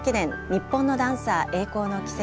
日本のダンサー栄光の軌跡」。